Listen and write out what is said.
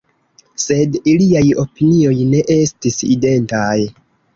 Sed iliaj opinioj ne estis identaj.